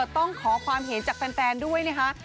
ต้องขอความเห็นจากแฟนด้วยนะคะ